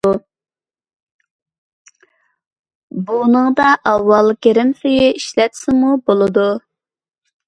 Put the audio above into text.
بۇنىڭدا ئاۋۋال گىرىم سۈيى ئىشلەتسىمۇ بولىدۇ.